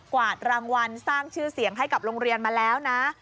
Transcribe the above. วาดรางวัลสร้างชื่อเสียงให้กับโรงเรียนมาแล้วนะ